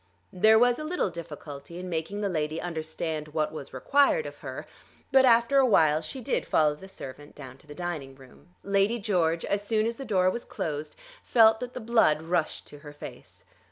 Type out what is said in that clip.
There was a little difficulty in making the lady understand what was required of her, but after a while she did follow the servant down to the dining room. Lady George, as soon as the door was closed, felt that the blood rushed to her face.